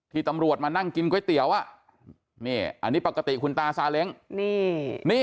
ตำรวจมานั่งกินก๋วยเตี๋ยวอ่ะนี่อันนี้ปกติคุณตาซาเล้ง